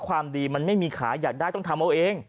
ความดีมันไม่มีขายอยากได้ต้องทำเอาเอง